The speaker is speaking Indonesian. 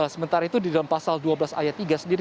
sementara itu di dalam pasal dua belas ayat tiga sendiri